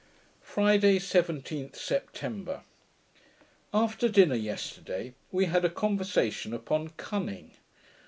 Friday, 17th September After dinner yesterday, we had a conversation upon cunning.